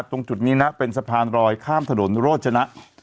ตรงจุดนี้นะเป็นสะพานรอยข้ามถนนโรจนะ